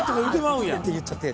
「うわ！」って言っちゃって。